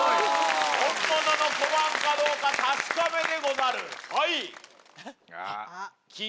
本物の小判かどうか確かめでござるはい！